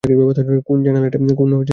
কোন জানালা এটা?